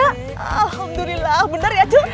alhamdulillah bener ya cu